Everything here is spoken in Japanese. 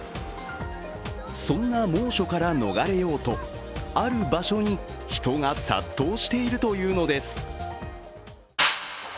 そんな猛暑から逃れようとある場所に人が殺到しているというのです。